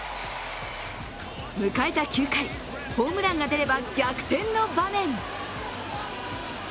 迎えた９回、ホームランが出れば逆転の場面。